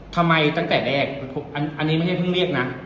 ทำไมตั้งแต่แรกอันอันนี้ไม่ได้เพิ่งเรียกนะ